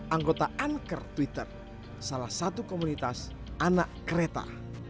anggota anker twitter salah satu komunitas anak kereta